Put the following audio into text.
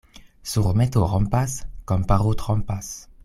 Surmeto rompas, komparo trompas.